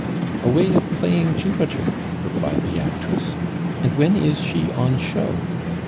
"A way of playing Jupiter?" replied the actress. "And when is she on show?"